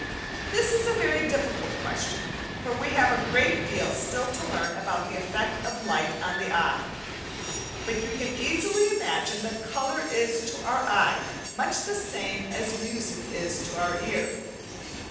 This is a very difficult question, for we have a great deal still to learn about the effect of light on the eye. But you can easily imagine that colour is to our eye much the same as music is to our ear.